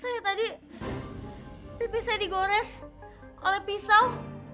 saya tadi pipi saya digores oleh pisau